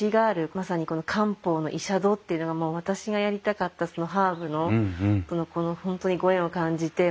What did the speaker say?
まさにこの漢方の医者殿っていうのが私がやりたかったハーブとの本当にご縁を感じて。